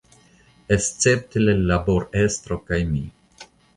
Escepte la laborestro kaj mi.